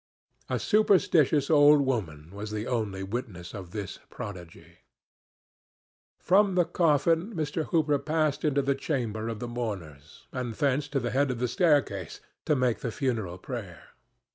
A superstitious old woman was the only witness of this prodigy. From the coffin Mr. Hooper passed into the chamber of the mourners, and thence to the head of the staircase, to make the funeral prayer.